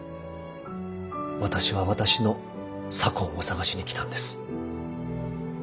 私は私の左近を探しに来たんです。